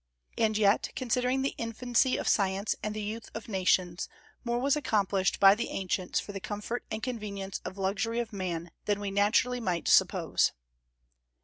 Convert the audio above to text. And yet, considering the infancy of science and the youth of nations, more was accomplished by the ancients for the comfort and convenience and luxury of man than we naturally might suppose.